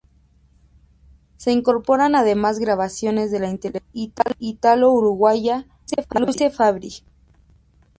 Se incorporan además grabaciones de la intelectual ítalo-uruguaya Luce Fabbri.